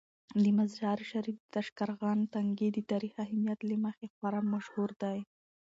د مزار شریف د تاشقرغان تنګي د تاریخي اهمیت له مخې خورا مشهور دی.